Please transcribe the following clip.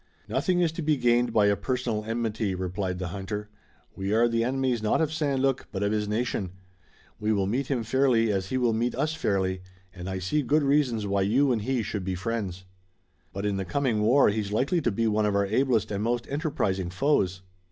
"Nothing is to be gained by a personal enmity," replied the hunter. "We are the enemies not of St. Luc, but of his nation. We will meet him fairly as he will meet us fairly, and I see good reasons why you and he should be friends." "But in the coming war he's likely to be one of our ablest and most enterprising foes."